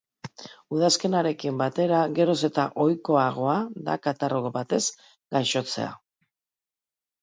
Udazkenarekin batera geroz eta ohikoagoa da katarro batez gaixotzea.